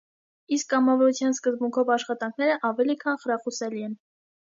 Իսկ կամավորության սկզբունքով աշխատաքները ավելի քան խրախուսելի են։